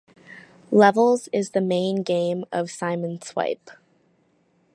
Levels is the main game of "Simon Swipe".